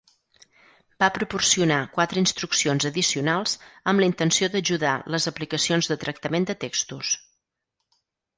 Va proporcionar quatre instruccions addicionals amb la intenció d'ajudar les aplicacions de tractament de textos.